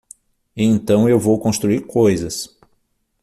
E então eu vou construir coisas.